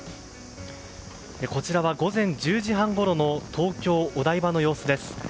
こちらは午前１０時半ごろの東京・お台場の様子です。